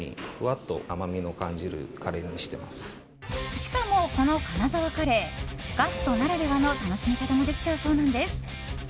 しかも、この金沢カレーガストならではの楽しみ方もできちゃうそうなんです。